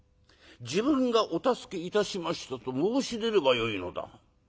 『自分がお助けいたしました』と申し出ればよいのだ」。